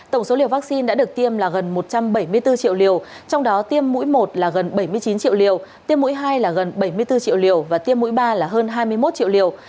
tổng số liều vaccine đã được tiêm là gần một trăm bảy mươi bốn triệu liều trong đó tiêm mũi một là gần bảy mươi chín triệu liều tiêm mũi hai là gần bảy mươi bốn triệu liều và tiêm mũi ba là hơn hai mươi một triệu liều